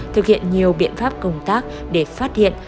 thực hiện nhiều biện pháp công tác để phát hiện